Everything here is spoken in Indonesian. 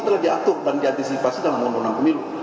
telah diatur dan diantisipasi dalam undang undang pemilu